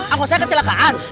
anggot saya kecelakaan